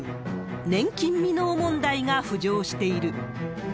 年金未納問題が浮上している。